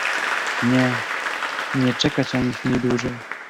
"Nie, nie czekać ani chwili dłużej."